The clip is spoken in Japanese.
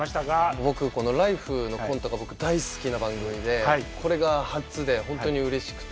僕この「ＬＩＦＥ！」のコントが僕大好きな番組でこれが初で本当にうれしくて。